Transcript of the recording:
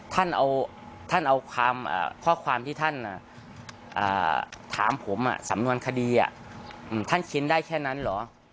ท่านเอาข้อความที่ท่านถามผมสำนวนคดีท่านเขียนได้แค่นั้นเหรอ